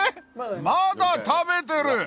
まだ食べてる！